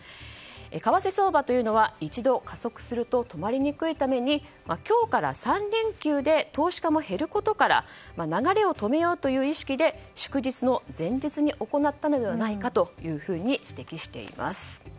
為替相場というのは一度加速すると止まりにくいために今日から３連休で投資家も減ることから流れを止めようという意識で祝日の前日に行ったのではないかと指摘しています。